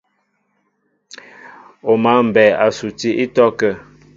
O mǎ mbɛɛ a suti ítɔ́kə́ə́.